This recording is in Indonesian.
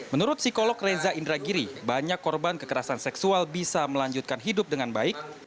menurut psikolog reza indragiri banyak korban kekerasan seksual bisa melanjutkan hidup dengan baik